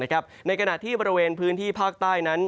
ในขณะที่บริเวณพื้นที่ภาคใต้นั้น